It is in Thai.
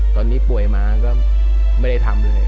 ตอนนี้ป่วยมาก็ไม่ได้ทำเลย